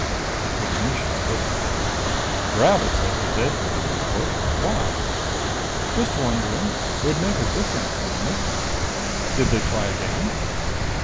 The Commissioner looked at her. "Grab it, was the dead brain report. Why?" "Just wondering. Would make a difference, wouldn't it? Did they try again?"